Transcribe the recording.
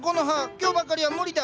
今日ばかりは無理だ。